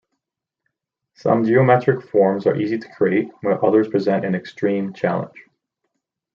Some geometric forms are easy to create, while others present an extreme challenge.